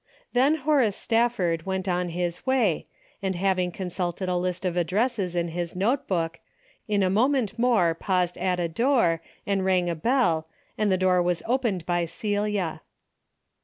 Then Horace Stafford went on his way, and having consulted a list of addresses in his notebook, in a moment more paused at a door and rang a bell and the door was opened by Celia.